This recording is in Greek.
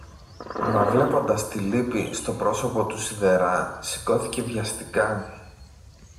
Μα βλέποντας τη λύπη στο πρόσωπο του σιδερά σηκώθηκε βιαστικά